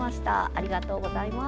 ありがとうございます。